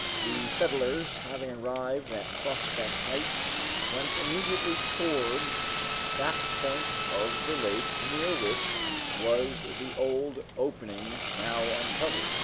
The settlers, having arrived at Prospect Heights, went immediately towards that point of the lake near which was the old opening now uncovered.